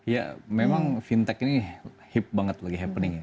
ya memang fintech ini hip banget lagi happening ya